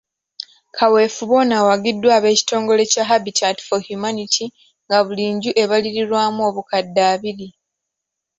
Kaweefube ono awagiddwa ab'ekitongole kya Habitat for Humanity nga buli nju ebalirirwamu obukadde abiri.